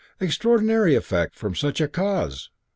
Extraordinary effect from such a cause!